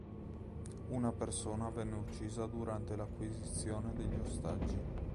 Una persona venne uccisa durante l'acquisizione degli ostaggi.